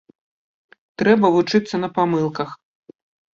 Трэба вучыцца на памылках.